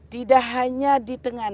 tidak hanya di tenganan